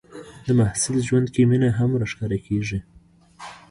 د محصل ژوند کې مینه هم راښکاره کېږي.